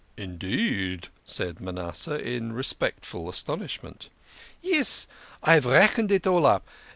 " Indeed !" said Manasseh, in respectful astonishment. " Yes ! I have reckoned it all up.